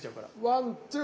ワンツー！